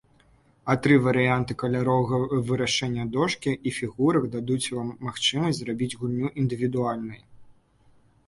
А тры варыянты каляровага вырашэння дошкі і фігурак дадуць вам магчымасць зрабіць гульню індывідуальнай.